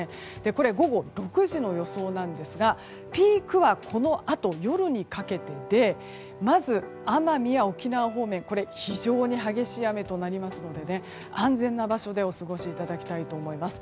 これ、午後６時の予想ですがピークはこのあと夜にかけてでまず、奄美や沖縄方面は非常に激しい雨になりますので安全な場所で、お過ごしいただきたいと思います。